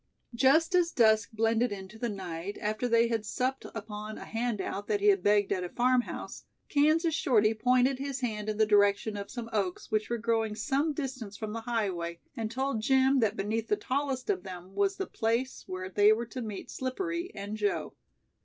Just as dusk blended into the night, after they had supped upon a handout that he had begged at a farm house, Kansas Shorty pointed his hand in the direction of some oaks which were growing some distance from the highway and told Jim that beneath the tallest of them was the place where they were to meet Slippery and Joe.